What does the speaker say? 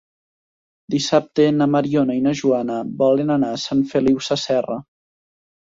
Dissabte na Mariona i na Joana volen anar a Sant Feliu Sasserra.